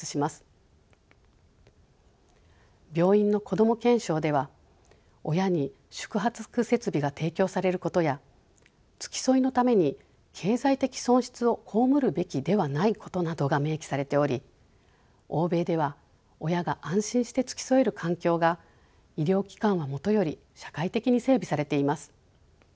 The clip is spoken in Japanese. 「病院のこども憲章」では親に宿泊設備が提供されることや付き添いのために経済的損失を被るべきではないことなどが明記されており欧米では親が安心して付き添える環境が医療機関はもとより社会的に整備されています。